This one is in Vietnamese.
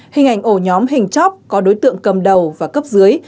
hình ảnh ổ nhóm hình chóp có đối tượng cầm đầu và cấp dưới